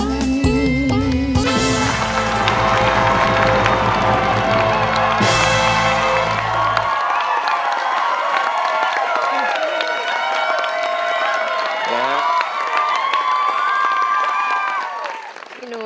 กินข้าวนำกัน